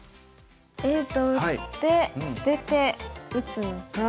Ａと打って捨てて打つのか。